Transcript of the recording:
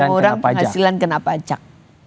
pengurang penghasilan karena pajak